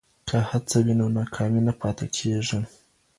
که هڅه وي نو ناکامي نه پاتې کېږي.